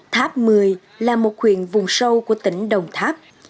tháp một mươi là một huyện vùng sâu của tỉnh đồng tháp